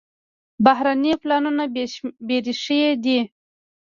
بهرني پلانونه بېریښې دي.